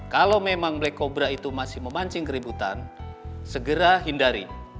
kalau memang black cobra itu masih memancing keributan segera hindari